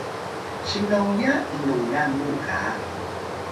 sinnoya inlungan mu ga